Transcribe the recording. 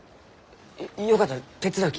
よかったら手伝うき。